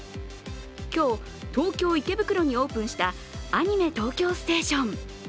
今日、東京・池袋にオープンしたアニメ東京ステーション。